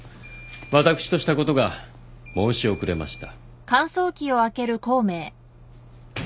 私としたことが申し遅れました。